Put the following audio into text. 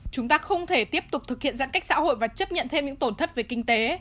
chúng ta không thể tiếp tục thực hiện giãn cách xã hội và chấp nhận thêm những tổn thất về kinh tế